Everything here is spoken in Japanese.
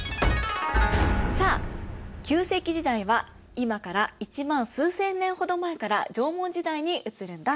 さあ旧石器時代は今から１万数千年ほど前から縄文時代に移るんだ。